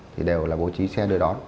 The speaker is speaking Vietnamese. thì đều là bố trí xe đưa đón